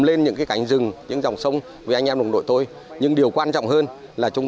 lên những cái cánh rừng những dòng sông với anh em đồng đội tôi nhưng điều quan trọng hơn là chúng